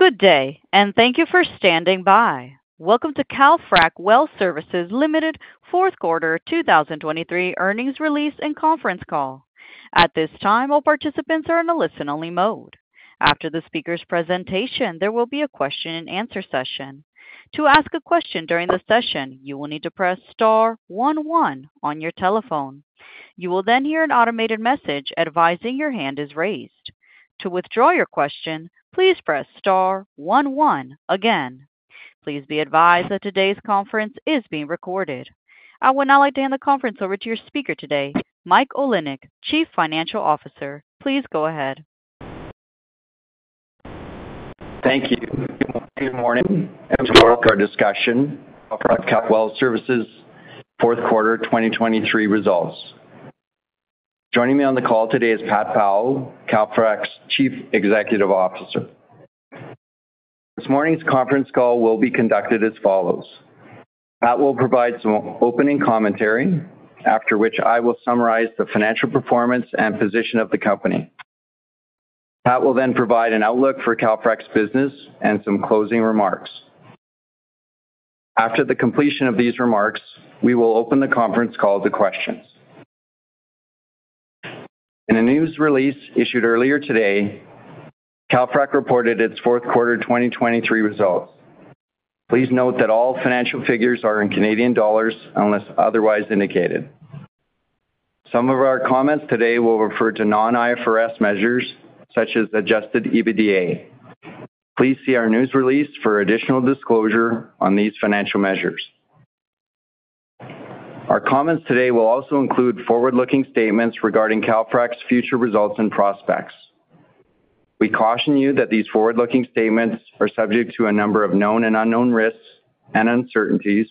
Good day, and thank you for standing by. Welcome to Calfrac Well Services Limited Fourth Quarter 2023 earnings release and conference call. At this time, all participants are in a listen-only mode. After the speaker's presentation, there will be a question-and-answer session. To ask a question during the session, you will need to press star one one on your telephone. You will then hear an automated message advising your hand is raised. To withdraw your question, please press star one one again. Please be advised that today's conference is being recorded. I would now like to hand the conference over to your speaker today, Mike Olinek, Chief Financial Officer. Please go ahead. Thank you. Good morning, and welcome to our discussion of Calfrac Well Services' fourth quarter 2023 results. Joining me on the call today is Pat Powell, Calfrac's Chief Executive Officer. This morning's conference call will be conducted as follows: Pat will provide some opening commentary, after which I will summarize the financial performance and position of the company. Pat will then provide an outlook for Calfrac's business and some closing remarks. After the completion of these remarks, we will open the conference call to questions. In a news release issued earlier today, Calfrac reported its fourth quarter 2023 results. Please note that all financial figures are in Canadian dollars, unless otherwise indicated. Some of our comments today will refer to non-IFRS measures, such as Adjusted EBITDA. Please see our news release for additional disclosure on these financial measures. Our comments today will also include forward-looking statements regarding Calfrac's future results and prospects. We caution you that these forward-looking statements are subject to a number of known and unknown risks and uncertainties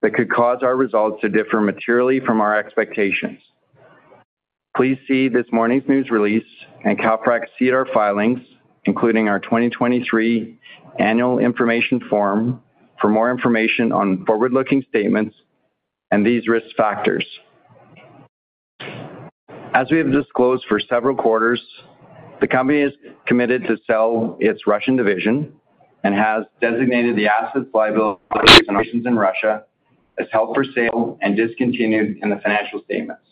that could cause our results to differ materially from our expectations. Please see this morning's news release and Calfrac's SEDAR filings, including our 2023 Annual Information Form, for more information on forward-looking statements and these risk factors. As we have disclosed for several quarters, the company is committed to sell its Russian division and has designated the assets, liabilities, and operations in Russia as held for sale and discontinued in the financial statements.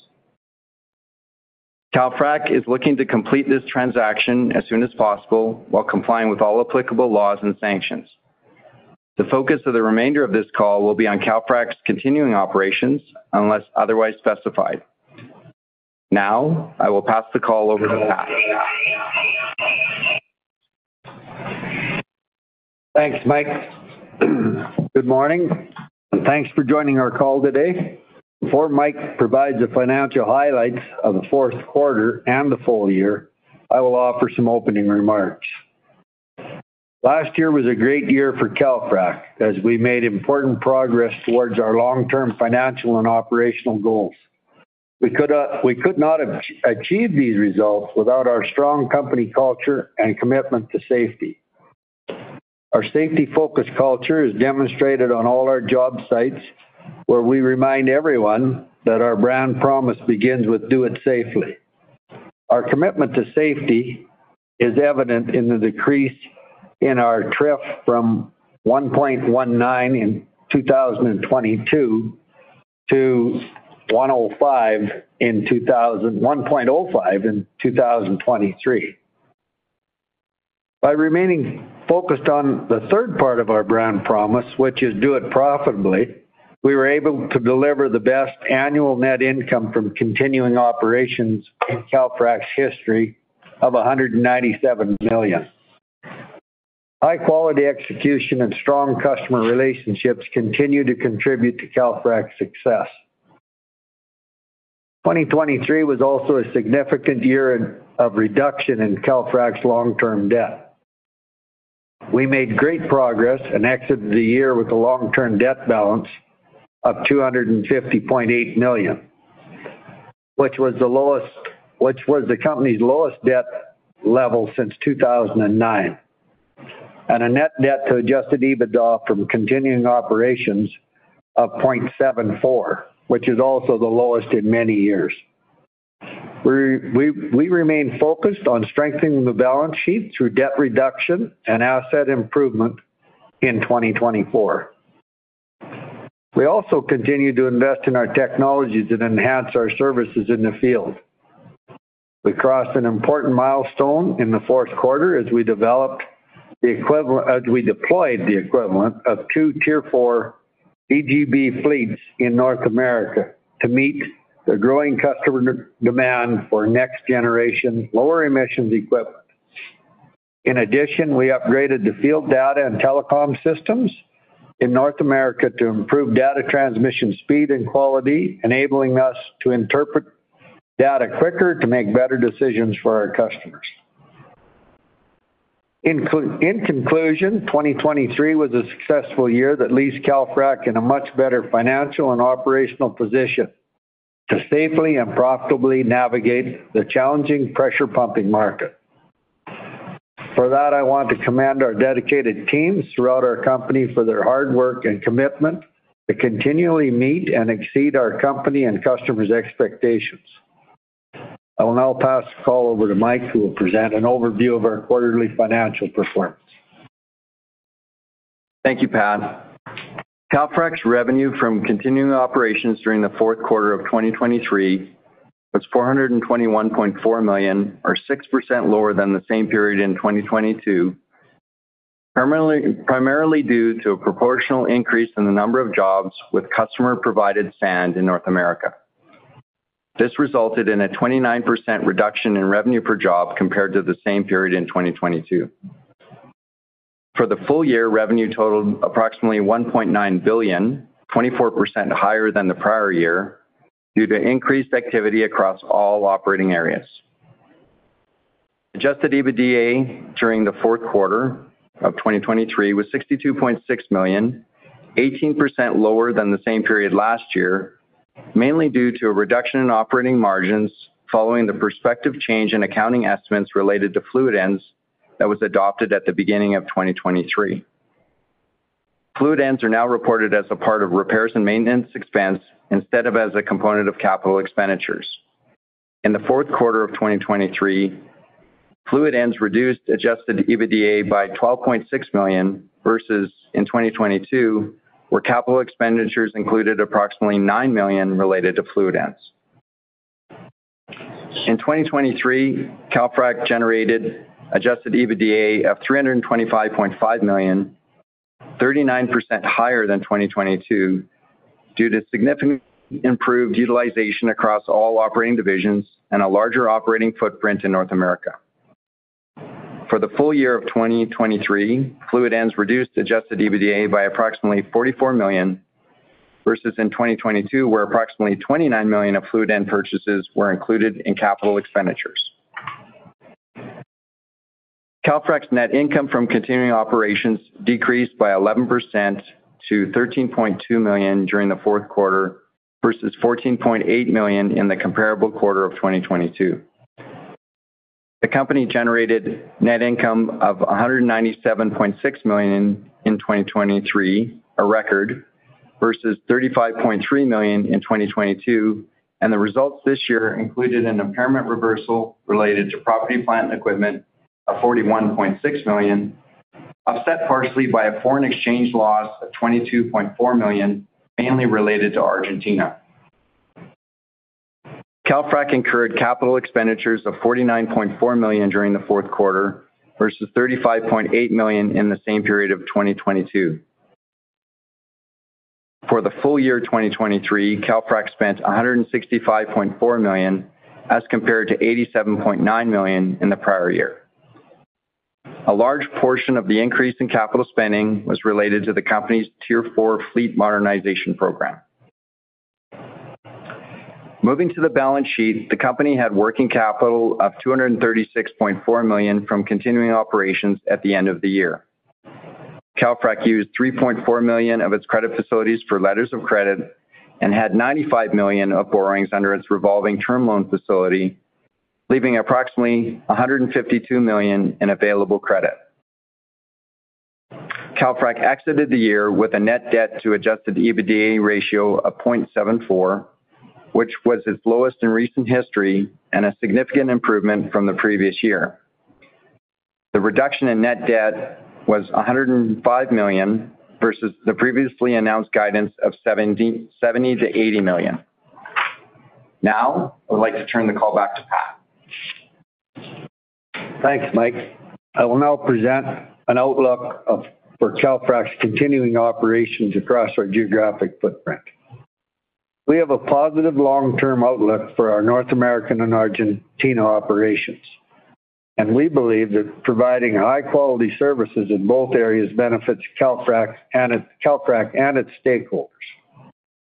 Calfrac is looking to complete this transaction as soon as possible while complying with all applicable laws and sanctions. The focus of the remainder of this call will be on Calfrac's continuing operations, unless otherwise specified. Now, I will pass the call over to Pat. Thanks, Mike. Good morning, and thanks for joining our call today. Before Mike provides the financial highlights of the fourth quarter and the full year, I will offer some opening remarks. Last year was a great year for Calfrac as we made important progress towards our long-term financial and operational goals. We could not have achieved these results without our strong company culture and commitment to safety. Our safety-focused culture is demonstrated on all our job sites, where we remind everyone that our brand promise begins with, "Do it safely." Our commitment to safety is evident in the decrease in our TRIF from 1.19 in 2022 to 1.05 in 2023. By remaining focused on the third part of our brand promise, which is, "Do it profitably," we were able to deliver the best annual net income from continuing operations in Calfrac's history of 197 million. High-quality execution and strong customer relationships continue to contribute to Calfrac's success. 2023 was also a significant year in, of reduction in Calfrac's long-term debt. We made great progress and exited the year with a long-term debt balance of 250.8 million, which was the lowest-- which was the company's lowest debt level since 2009, and a net debt to Adjusted EBITDA from continuing operations of 0.74, which is also the lowest in many years. We're, we, we remain focused on strengthening the balance sheet through debt reduction and asset improvement in 2024. We also continue to invest in our technologies and enhance our services in the field. We crossed an important milestone in the fourth quarter as we deployed the equivalent of two Tier IV DGB fleets in North America to meet the growing customer demand for next-generation, lower-emissions equipment. In addition, we upgraded the field data and telecom systems in North America to improve data transmission speed and quality, enabling us to interpret data quicker to make better decisions for our customers. In conclusion, 2023 was a successful year that leaves Calfrac in a much better financial and operational position to safely and profitably navigate the challenging pressure pumping market. For that, I want to commend our dedicated teams throughout our company for their hard work and commitment to continually meet and exceed our company and customers' expectations.... I will now pass the call over to Mike, who will present an overview of our quarterly financial performance. Thank you, Pat. Calfrac's revenue from continuing operations during the fourth quarter of 2023 was 421.4 million, or 6% lower than the same period in 2022, primarily due to a proportional increase in the number of jobs with customer-provided sand in North America. This resulted in a 29% reduction in revenue per job compared to the same period in 2022. For the full year, revenue totaled approximately 1.9 billion, 24% higher than the prior year, due to increased activity across all operating areas. Adjusted EBITDA during the fourth quarter of 2023 was 62.6 million, 18% lower than the same period last year, mainly due to a reduction in operating margins following the prospective change in accounting estimates related to fluid ends that was adopted at the beginning of 2023. fluid ends are now reported as a part of repairs and maintenance expense instead of as a component of capital expenditures. In the fourth quarter of 2023, fluid ends reduced Adjusted EBITDA by 12.6 million, versus in 2022, where capital expenditures included approximately 9 million related to fluid ends. In 2023, Calfrac generated Adjusted EBITDA of 325.5 million, 39% higher than 2022, due to significantly improved utilization across all operating divisions and a larger operating footprint in North America. For the full year of 2023, fluid ends reduced Adjusted EBITDA by approximately 44 million, versus in 2022, where approximately 29 million of fluid end purchases were included in capital expenditures. Calfrac's net income from continuing operations decreased by 11% to 13.2 million during the fourth quarter, versus 14.8 million in the comparable quarter of 2022. The company generated net income of 197.6 million in 2023, a record, versus 35.3 million in 2022, and the results this year included an impairment reversal related to property, plant, and equipment of 41.6 million, offset partially by a foreign exchange loss of 22.4 million, mainly related to Argentina. Calfrac incurred capital expenditures of 49.4 million during the fourth quarter, versus 35.8 million in the same period of 2022. For the full year of 2023, Calfrac spent 165.4 million, as compared to 87.9 million in the prior year. A large portion of the increase in capital spending was related to the company's Tier Four fleet modernization program. Moving to the balance sheet, the company had working capital of 236.4 million from continuing operations at the end of the year. Calfrac used 3.4 million of its credit facilities for letters of credit and had 95 million of borrowings under its revolving term loan facility, leaving approximately 152 million in available credit. Calfrac exited the year with a net debt to Adjusted EBITDA ratio of 0.74, which was its lowest in recent history and a significant improvement from the previous year. The reduction in net debt was 105 million versus the previously announced guidance of 70 million to 80 million. Now, I would like to turn the call back to Pat. Thanks, Mike. I will now present an outlook of, for Calfrac's continuing operations across our geographic footprint. We have a positive long-term outlook for our North American and Argentina operations, and we believe that providing high-quality services in both areas benefits Calfrac and its stakeholders.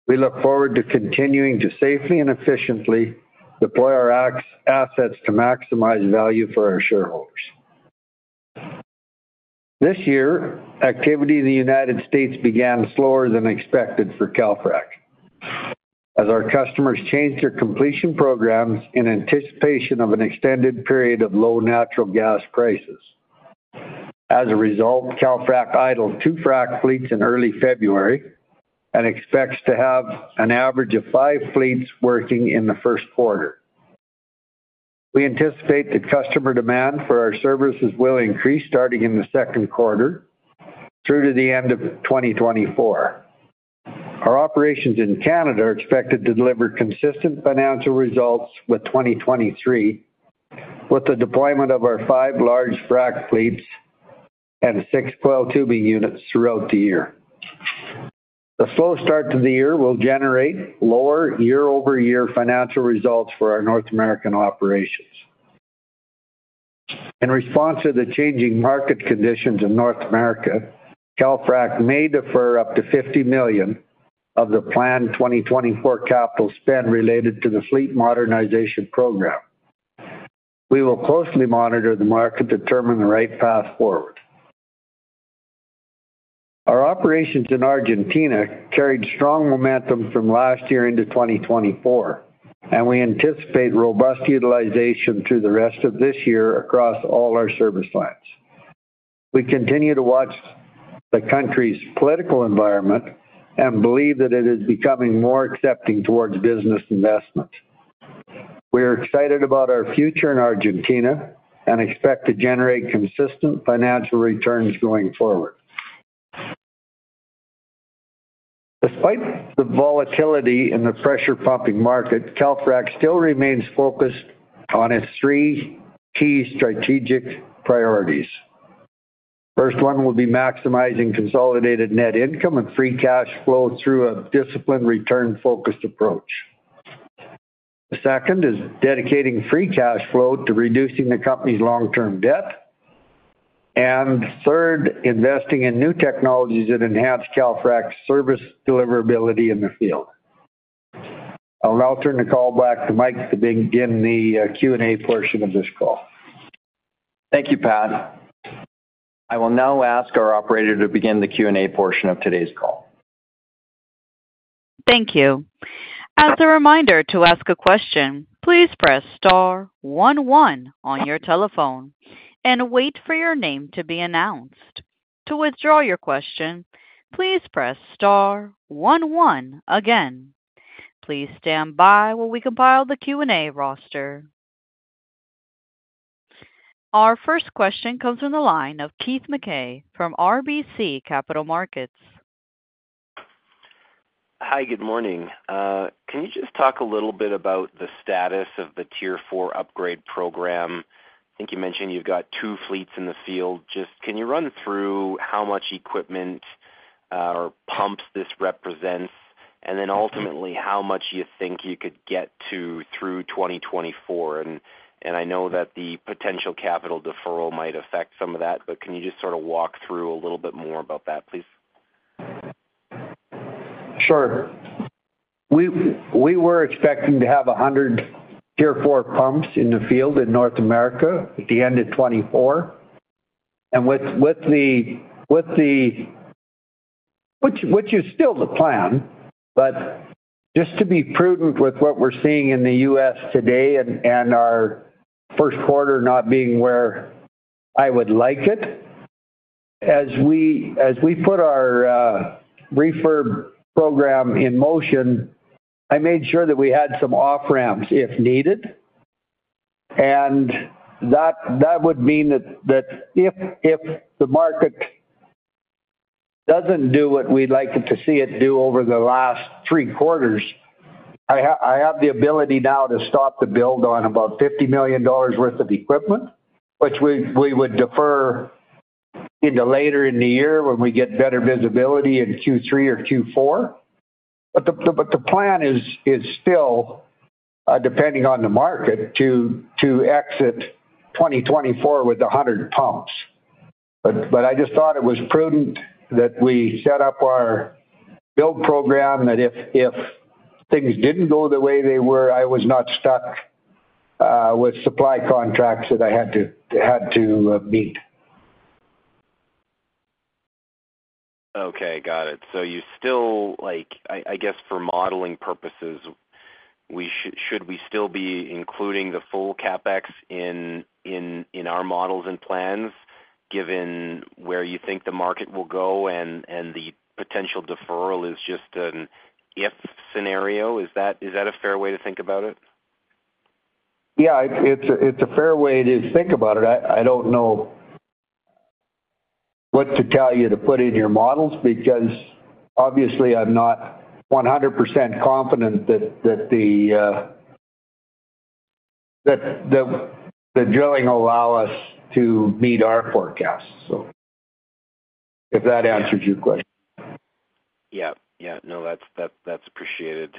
We look forward to continuing to safely and efficiently deploy our assets to maximize value for our shareholders. This year, activity in the United States began slower than expected for Calfrac, as our customers changed their completion programs in anticipation of an extended period of low natural gas prices. As a result, Calfrac idled two frac fleets in early February and expects to have an average of five fleets working in the first quarter. We anticipate that customer demand for our services will increase starting in the second quarter through to the end of 2024. Our operations in Canada are expected to deliver consistent financial results with 2023, with the deployment of our five large frac fleets and six coiled tubing units throughout the year. The slow start to the year will generate lower year-over-year financial results for our North American operations. In response to the changing market conditions in North America, Calfrac may defer up to 50 million of the planned 2024 capital spend related to the fleet modernization program. We will closely monitor the market to determine the right path forward. Our operations in Argentina carried strong momentum from last year into 2024, and we anticipate robust utilization through the rest of this year across all our service lines. We continue to watch the country's political environment and believe that it is becoming more accepting towards business investments. We are excited about our future in Argentina and expect to generate consistent financial returns going forward. Despite the volatility in the pressure pumping market, Calfrac still remains focused on its three key strategic priorities. First one will be maximizing consolidated net income and free cash flow through a disciplined, return-focused approach. The second is dedicating free cash flow to reducing the company's long-term debt. And third, investing in new technologies that enhance Calfrac's service deliverability in the field. I'll now turn the call back to Mike to begin the Q&A portion of this call. Thank you, Pat. I will now ask our operator to begin the Q&A portion of today's call. Thank you. As a reminder, to ask a question, please press star one, one on your telephone and wait for your name to be announced. To withdraw your question, please press star one, one again. Please stand by while we compile the Q&A roster. Our first question comes from the line of Keith Mackey from RBC Capital Markets. Hi, good morning. Can you just talk a little bit about the status of the Tier Four upgrade program? I think you mentioned you've got two fleets in the field. Just, can you run through how much equipment, or pumps this represents? And then ultimately, how much you think you could get to through 2024? And, and I know that the potential capital deferral might affect some of that, but can you just sort of walk through a little bit more about that, please? Sure. We were expecting to have 100 Tier Four pumps in the field in North America at the end of 2024. And with the—which is still the plan, but just to be prudent with what we're seeing in the U.S. today and our first quarter not being where I would like it, as we put our refurb program in motion, I made sure that we had some off-ramps if needed. And that would mean that if the market doesn't do what we'd like it to see it do over the last three quarters, I have the ability now to stop the build on about $50 million worth of equipment, which we would defer into later in the year when we get better visibility in Q3 or Q4. But the plan is still, depending on the market, to exit 2024 with 100 pumps. But I just thought it was prudent that we set up our build program, that if things didn't go the way they were, I was not stuck with supply contracts that I had to meet. Okay, got it. So you still like... I guess, for modeling purposes, should we still be including the full CapEx in our models and plans, given where you think the market will go and the potential deferral is just an if scenario? Is that a fair way to think about it? Yeah, it's a, it's a fair way to think about it. I, I don't know what to tell you to put in your models, because obviously I'm not 100% confident that, that the, that the, the drilling allow us to meet our forecasts. So if that answers your question. Yeah. Yeah. No, that's, that, that's appreciated,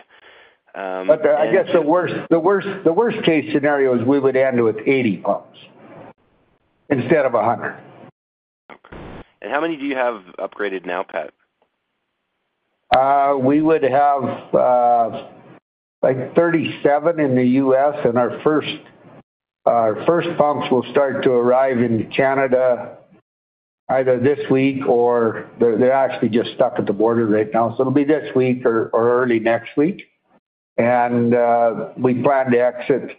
and- But I guess the worst, the worst, the worst-case scenario is we would end with 80 pumps instead of 100. How many do you have upgraded now, Pat? We would have, like 37 in the U.S., and our first pumps will start to arrive in Canada either this week, or they're actually just stuck at the border right now. So it'll be this week or early next week. And we plan to exit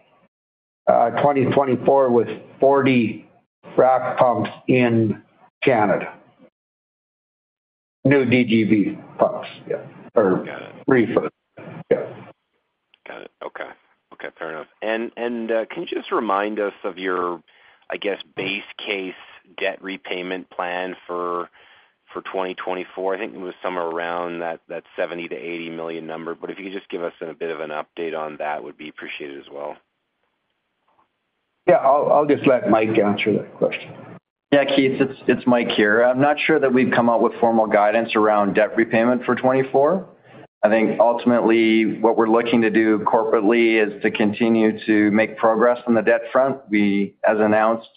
2024 with 40 frac pumps in Canada. New DGB pumps. Yeah. Or refurb. Got it. Yeah. Got it. Okay. Okay, fair enough. And, and, can you just remind us of your, I guess, base case debt repayment plan for, for 2024? I think it was somewhere around that, that 70 million-80 million number, but if you could just give us a bit of an update on that, would be appreciated as well. Yeah, I'll just let Mike answer that question. Yeah, Keith, it's Mike here. I'm not sure that we've come out with formal guidance around debt repayment for 2024. I think ultimately what we're looking to do corporately is to continue to make progress on the debt front. We, as announced,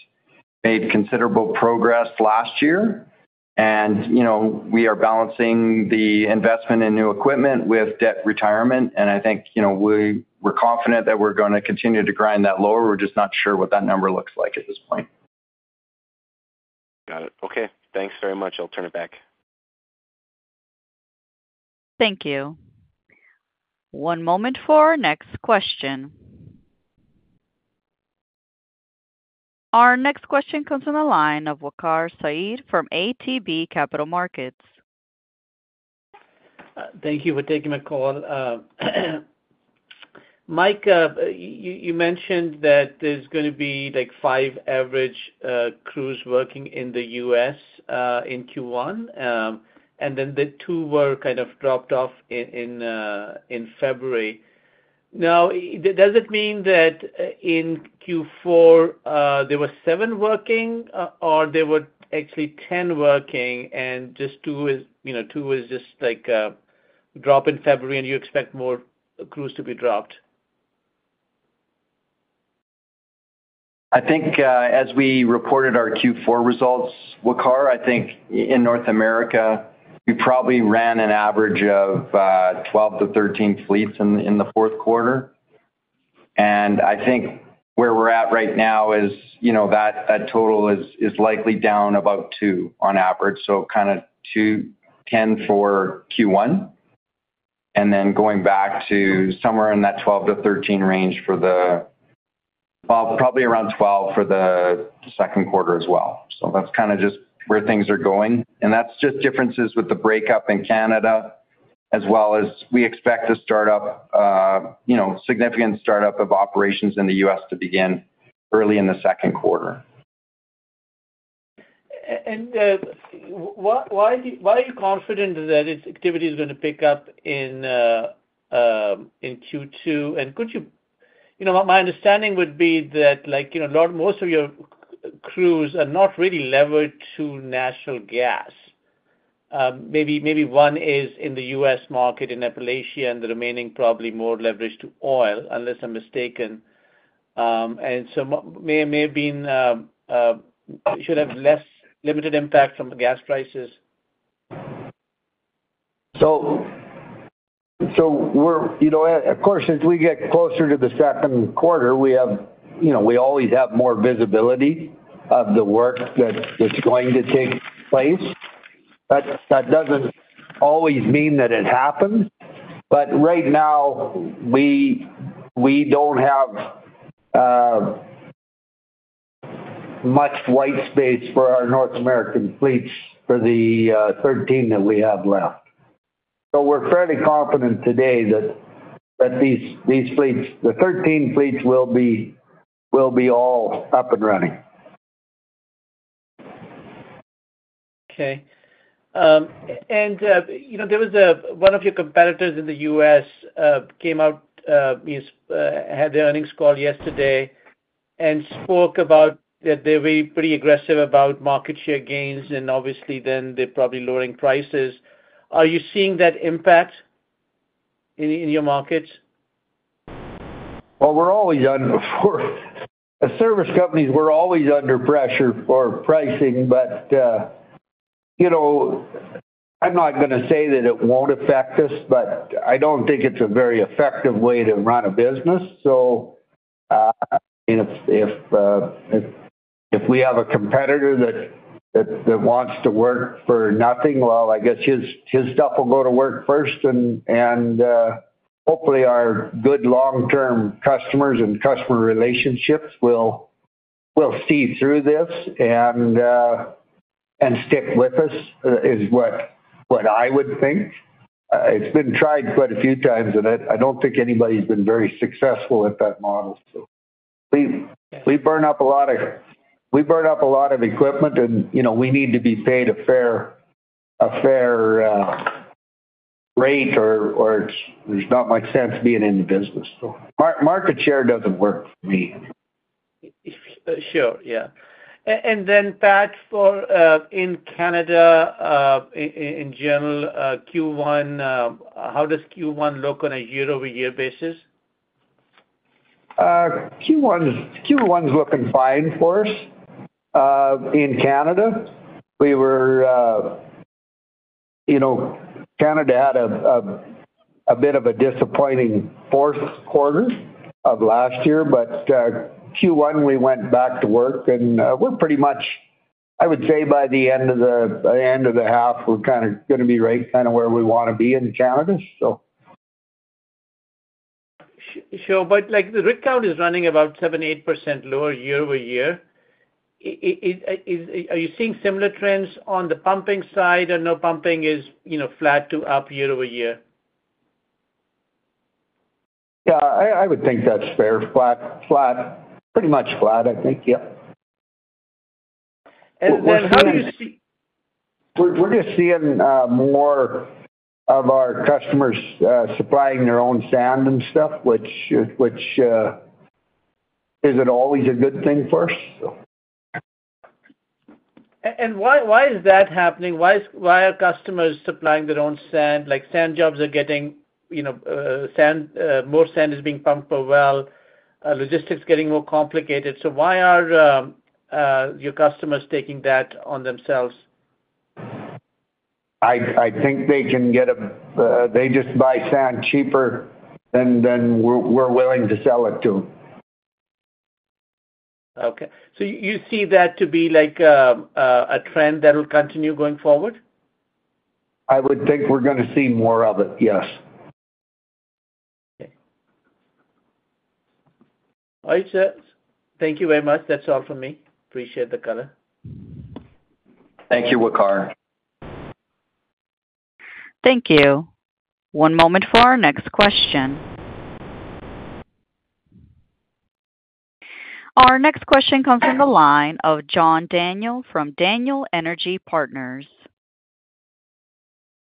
made considerable progress last year, and, you know, we are balancing the investment in new equipment with debt retirement. And I think, you know, we're confident that we're gonna continue to grind that lower. We're just not sure what that number looks like at this point. Got it. Okay, thanks very much. I'll turn it back. Thank you. One moment for our next question. Our next question comes from the line of Waqar Syed from ATB Capital Markets. Thank you for taking my call. Mike, you mentioned that there's gonna be, like, 5 average crews working in the U.S. in Q1, and then the 2 were kind of dropped off in February. Now, does it mean that in Q4 there were 7 working or there were actually 10 working, and just 2 is, you know, 2 is just like a drop in February, and you expect more crews to be dropped? I think, as we reported our Q4 results, Waqar, I think in North America, we probably ran an average of 12 to 13 fleets in the fourth quarter. And I think where we're at right now is, you know, that total is likely down about two on average. So kind of two, 10 for Q1, and then going back to somewhere in that 12 to 13 range for the, well, probably around 12 for the second quarter as well. So that's kind of just where things are going. And that's just differences with the breakup in Canada, as well as we expect to start up, you know, significant startup of operations in the U.S. to begin early in the second quarter. And why are you confident that its activity is gonna pick up in Q2? And could you, you know, my understanding would be that, like, you know, not most of your crews are not really levered to natural gas. Maybe one is in the U.S. market, in Appalachia, and the remaining probably more leveraged to oil, unless I'm mistaken. And so may have less limited impact from the gas prices. So we're—you know, of course, as we get closer to the second quarter, we have, you know, we always have more visibility of the work that is going to take place. But that doesn't always mean that it happens. But right now, we don't have much white space for our North American fleets for the 13 that we have left. So we're fairly confident today that these fleets, the 13 fleets will be all up and running. Okay. And, you know, there was one of your competitors in the U.S., came out, had their earnings call yesterday and spoke about that they're very pretty aggressive about market share gains, and obviously then they're probably lowering prices. Are you seeing that impact in your markets? Well, as service companies, we're always under pressure for pricing. But, you know, I'm not gonna say that it won't affect us, but I don't think it's a very effective way to run a business. So, and if we have a competitor that wants to work for nothing, well, I guess his stuff will go to work first. And, hopefully, our good long-term customers and customer relationships will see through this and stick with us, is what I would think. It's been tried quite a few times, and I don't think anybody's been very successful at that model, so. We burn up a lot of equipment and, you know, we need to be paid a fair rate, or there's not much sense being in the business. So market share doesn't work for me. Sure, yeah. And then, Pat, for in Canada, in general, Q1, how does Q1 look on a year-over-year basis? Q1's looking fine for us. In Canada, you know, Canada had a bit of a disappointing fourth quarter of last year. But, Q1, we went back to work, and we're pretty much, I would say by the end of the half, we're kind of gonna be right kind of where we want to be in Canada, so. Sure. But, like, the rig count is running about 7% to 8% lower year-over-year. Are you seeing similar trends on the pumping side, or no, pumping is, you know, flat to up year-over-year? Yeah, I would think that's fair, flat, flat. Pretty much flat, I think. Yeah. How do you see We're just seeing more of our customers supplying their own sand and stuff, which isn't always a good thing for us, so. And why is that happening? Why are customers supplying their own sand? Like, sand jobs are getting, you know, more sand is being pumped per well, logistics getting more complicated. So why are your customers taking that on themselves? I think they can get a. They just buy sand cheaper than we're willing to sell it to. Okay, so you see that to be like, a trend that will continue going forward? I would think we're gonna see more of it, yes. Okay. All right, sir. Thank you very much. That's all for me. Appreciate the color. Thank you, Waqar. Thank you. One moment for our next question. Our next question comes from the line of John Daniel from Daniel Energy Partners.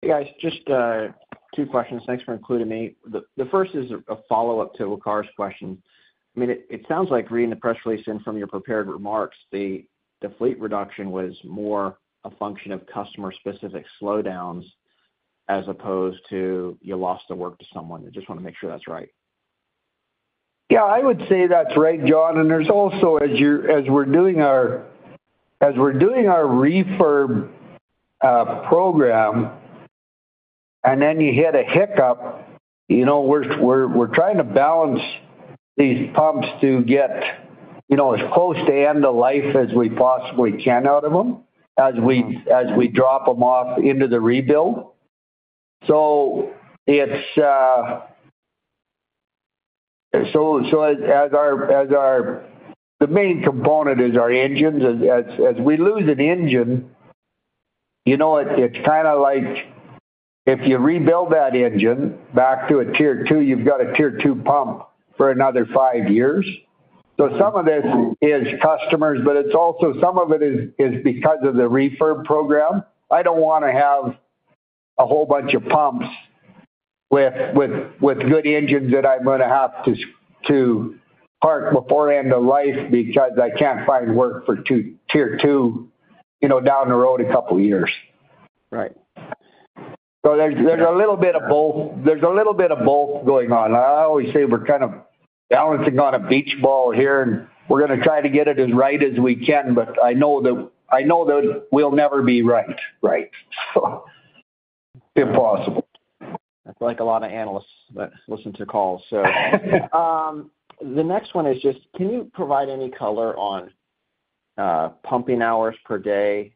Hey, guys, just two questions. Thanks for including me. The first is a follow-up to Waqar's question. I mean, it sounds like reading the press release and from your prepared remarks, the fleet reduction was more a function of customer-specific slowdowns as opposed to you lost the work to someone. I just wanna make sure that's right. Yeah, I would say that's right, John, and there's also, as we're doing our refurb program, and then you hit a hiccup, you know, we're trying to balance these pumps to get, you know, as close to end of life as we possibly can out of them, as we drop them off into the rebuild. So it's, so as our, the main component is our engines. As we lose an engine, you know, it's kind of like, if you rebuild that engine back to a Tier two, you've got a Tier two pump for another five years. So some of this is customers, but it's also some of it is because of the refurb program. I don't wanna have a whole bunch of pumps with good engines that I'm gonna have to park before end of life because I can't find work for Tier two, you know, down the road a couple of years. Right. So there's a little bit of both. There's a little bit of both going on. I always say we're kind of balancing on a beach ball here, and we're gonna try to get it as right as we can, but I know that we'll never be right, right? So impossible. That's like a lot of analysts that listen to calls, so. The next one is just, can you provide any color on pumping hours per day,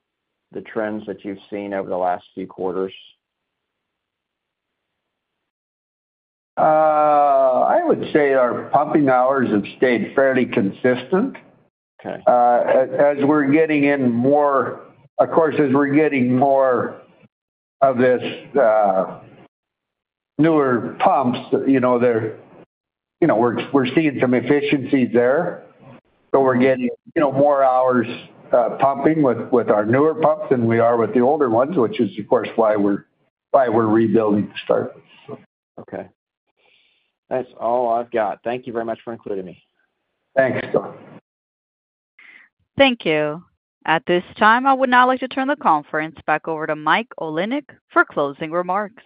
the trends that you've seen over the last few quarters? I would say our pumping hours have stayed fairly consistent. Okay. Of course, as we're getting more of these newer pumps, you know, we're seeing some efficiencies there. So we're getting, you know, more hours pumping with our newer pumps than we are with the older ones, which is, of course, why we're rebuilding to start. Okay. That's all I've got. Thank you very much for including me. Thanks, John. Thank you. At this time, I would now like to turn the conference back over to Mike Olinek for closing remarks.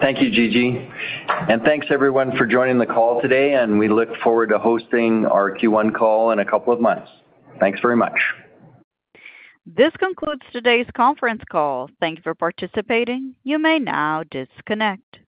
Thank you, Gigi, and thanks, everyone, for joining the call today, and we look forward to hosting our Q1 call in a couple of months. Thanks very much. This concludes today's conference call. Thank you for participating. You may now disconnect.